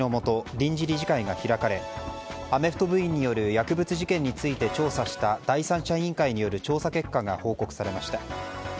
臨時理事会が開かれアメフト部員による薬物事件について調査した第三者委員会による調査結果が報告されました。